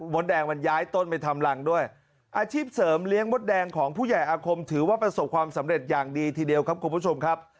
แดงมันย้ายต้นไปทำรังด้วยอาชีพเสริมเลี้ยงมดแดงของผู้ใหญ่อาคมถือว่าประสบความสำเร็จอย่างดีทีเดียวครับคุณผู้ชมครับ